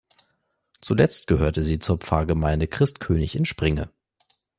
Zuletzt gehörte sie zur Pfarrgemeinde Christ König in Springe.